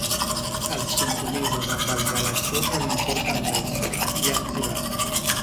Els compromisos amb els electors no l’importen res, li ha etzibat.